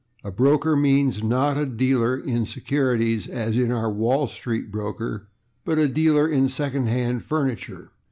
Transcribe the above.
A /broker/ means, not a dealer in [Pg107] securities, as in our /Wall Street broker/, but a dealer in second hand furniture.